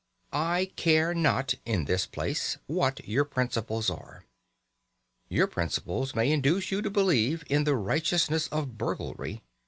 I care not (in this place) what your principles are. Your principles may induce you to believe in the righteousness of burglary.